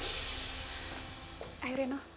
jika bella pergi bagaimana perasaan anak anakku